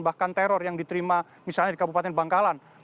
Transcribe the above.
bahkan teror yang diterima misalnya di kabupaten bangkalan